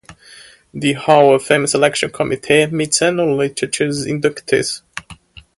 The Hall of Fame selection committee meets annually to choose inductees.